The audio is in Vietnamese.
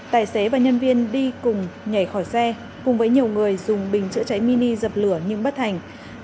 tài xế và nhân viên đi cùng nhảy khỏi xe cùng với nhiều người dùng bình chữa cháy mini dập lửa nhưng bất thành